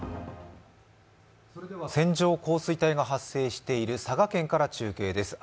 それでは線状降水帯が発生している佐賀県から中継です。